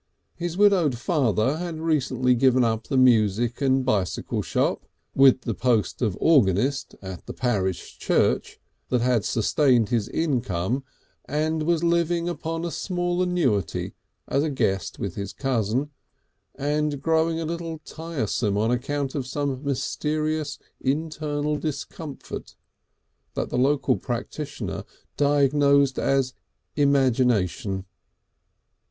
His widowed father had recently given up the music and bicycle shop (with the post of organist at the parish church) that had sustained his home, and was living upon a small annuity as a guest with this cousin, and growing a little tiresome on account of some mysterious internal discomfort that the local practitioner diagnosed as imagination.